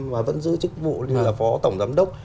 và vẫn giữ chức vụ là phó tổng giám đốc